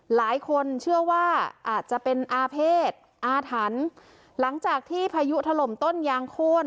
หลายคนเชื่อว่าอาจจะเป็นอาเภษอาถรรพ์หลังจากที่พายุถล่มต้นยางโค้น